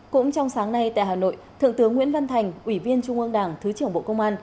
cũng trong sáng nay tại hà nội thượng tướng nguyễn văn thành ủy viên trung ương đảng thứ trưởng bộ công an